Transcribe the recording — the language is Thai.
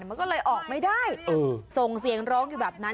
มันก็เลยออกไม่ได้ส่งเสียงร้องอยู่แบบนั้น